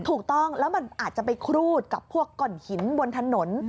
ถูกต้องแล้วมันอาจจะไปครูดกับพวกก่อนหินบนถนน